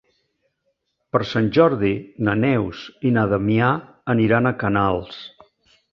Per Sant Jordi na Neus i na Damià aniran a Canals.